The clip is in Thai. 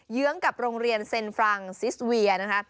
เยื้องกับโรงเรียนเซ็นฟรังซิสเวียนะคะ